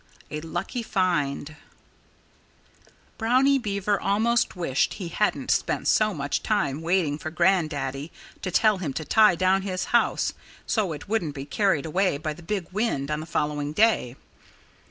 XIII A LUCKY FIND Brownie Beaver almost wished he hadn't spent so much time waiting for Grandaddy to tell him to tie down his house so it wouldn't be carried away by the big wind on the following day.